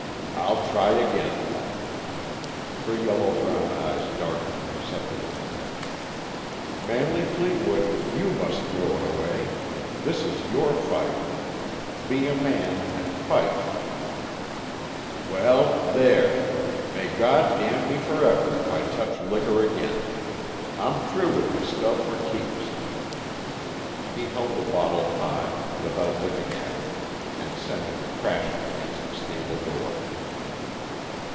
"I'll try again." Her yellow brown eyes darkened perceptibly. "Manley Fleetwood, you must throw it away. This is your fight be a man and fight." "Well there! May God damn me forever if I touch liquor again! I'm through with the stuff for keeps!" He held the bottle high, without looking at it, and sent it crashing against the stable door.